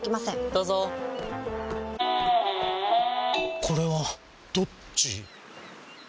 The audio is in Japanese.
どうぞこれはどっち？